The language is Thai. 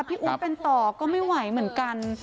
อู๊ดเป็นต่อก็ไม่ไหวเหมือนกัน